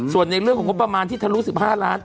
ส่วนในเรื่องของงบประมาณที่ทะลุ๑๕ล้าน